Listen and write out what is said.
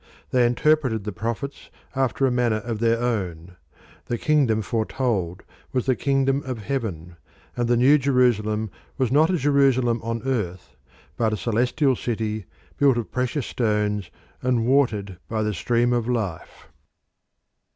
They interpreted the prophets after a manner of their own: the kingdom foretold was the kingdom of heaven, and the new Jerusalem was not a Jerusalem on earth but a celestial city built of precious stones and watered by the Stream of Life.